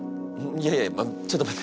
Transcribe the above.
いやいやちょっと待て。